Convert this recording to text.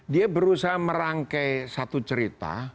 dia berusaha merangkai satu cerita